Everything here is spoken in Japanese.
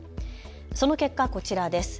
その結果、こちらです。